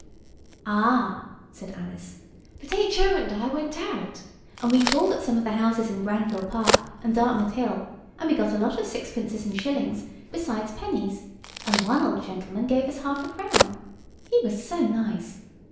"Ah," said Alice, "but Noël and I went out, and we called at some of the houses in Granville Park and Dartmouth Hill–and we got a lot of sixpences and shillings, besides pennies, and one old gentleman gave us half a crown. He was so nice.